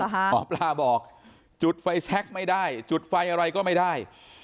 หมอปลาบอกจุดไฟแชคไม่ได้จุดไฟอะไรก็ไม่ได้